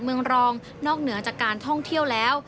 เมืองรองนอกเหนือจากการท่องเที่ยวแล้ว